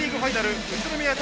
ファイナル、宇都宮対